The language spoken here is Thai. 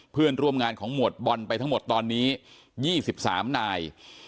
เพื่อนร่วมงานของหมวดบอลไปทั้งหมดตอนนี้๒๓นาย